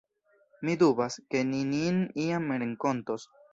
Mi dubas, ke ni nin iam renkontos.